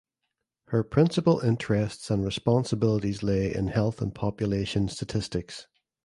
Her principal interests and responsibilities lay in health and population statistics.